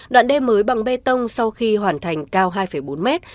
đoạn đê mới bằng bê tông sau khi hoàn thành cao hai bốn mét